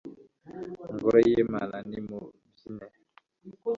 ngoro y'imana nimubyine